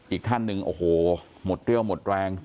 อีกท่านหนึ่งโอ้โหหมดเรี่ยวหมดแรง